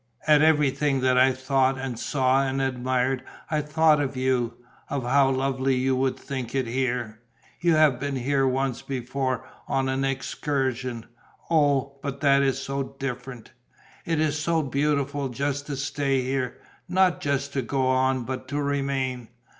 At everything that I thought and saw and admired I thought of you, of how lovely you would think it here. You have been here once before on an excursion. Oh, but that is so different! It is so beautiful just to stay here, not just to go on, but to remain.